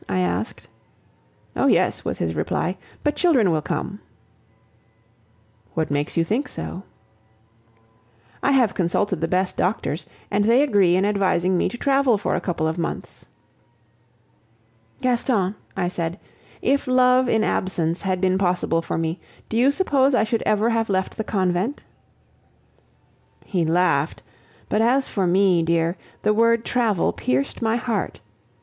I asked. "Oh, yes!" was his reply; "but children will come!" "What makes you think so?" "I have consulted the best doctors, and they agree in advising me to travel for a couple of months." "Gaston," I said, "if love in absence had been possible for me, do you suppose I should ever have left the convent?" He laughed; but as for me, dear, the word "travel" pierced my heart.